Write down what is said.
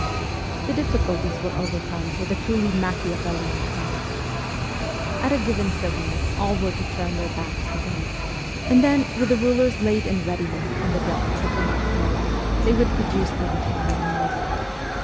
The difficulties were overcome with a truly Machiavellian craft. At a given signal all were to turn their backs to Ganz, and then, with the rulers laid in readiness on the desks of the next row, they would pro duce the required noise.